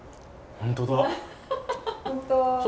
本当だ！